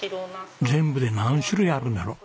全部で何種類あるんだろう？